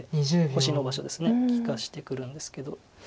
星の場所ですね利かしてくるんですけど。